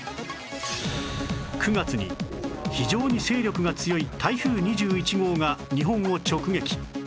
９月に非常に勢力が強い台風２１号が日本を直撃